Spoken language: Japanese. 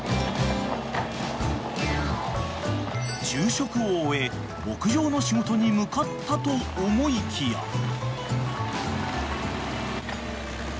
［昼食を終え牧場の仕事に向かったと思いきや］